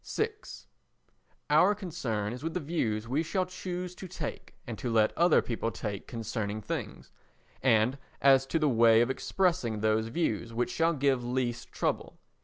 vi Our concern is with the views we shall choose to take and to let other people take concerning things, and as to the way of expressing those views which shall give least trouble.